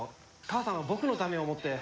母さんは僕のためを思って。